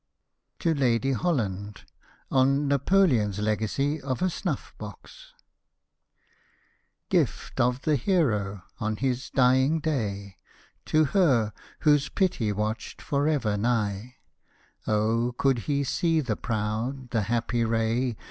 TO LADY HOLLAND ON napoleon's legacy of a snuff box Gift of the Hero, on his dying day, To her, whose pity watched, for ever nigh ; Oh ! could he see the proud, the happy ray.